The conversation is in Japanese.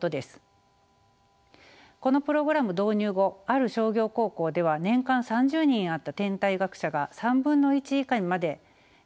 このプログラム導入後ある商業高校では年間３０人あった転退学者が３分の１以下にまで激減しました。